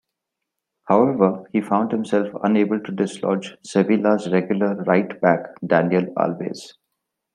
However, he found himself unable to dislodge Sevilla's regular right-back Daniel Alves.